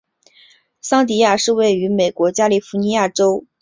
桑迪亚是位于美国加利福尼亚州因皮里尔县的一个非建制地区。